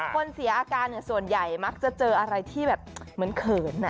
เสียอาการส่วนใหญ่มักจะเจออะไรที่แบบเหมือนเขิน